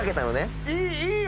いいよ。